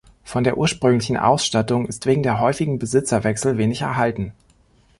Von der ursprünglichen Ausstattung ist wegen der häufigen Besitzerwechsel wenig erhalten.